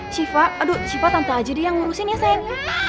siva aduh siva tante aja deh yang ngurusin ya saya